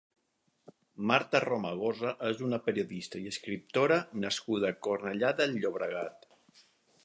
Marta Romagosa és una periodista i escriptora nascuda a Cornellà de Llobregat.